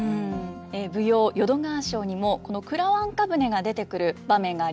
舞踊「淀川抄」にもこのくらわんか舟が出てくる場面があります。